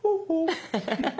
アハハハ。